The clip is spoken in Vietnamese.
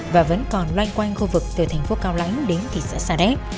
và vẫn còn loanh quanh khu vực từ thành phố cao lãnh đến thị xã sà đét